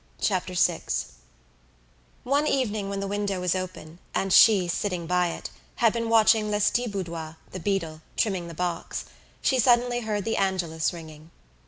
Chapter Six One evening when the window was open, and she, sitting by it, had been watching Lestiboudois, the beadle, trimming the box, she suddenly heard the Angelus ringing.